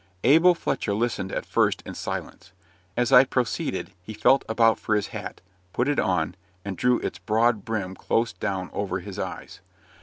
Abel Fletcher listened at first in silence. As I proceeded he felt about for his hat, put it on, and drew its broad brim close down over his eyes.